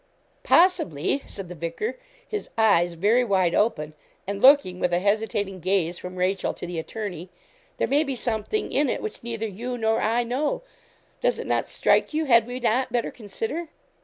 possibly' said the vicar, his eyes very wide open, and looking with a hesitating gaze from Rachel to the attorney 'there may be something in it which neither you nor I know; does it not strike you had we not better consider?'